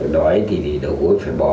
đói thì đầu gối phải bò